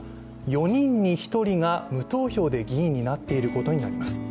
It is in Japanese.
４人に１人が無投票で議員になっていることになります。